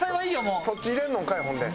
そっち入れんのかいほんで。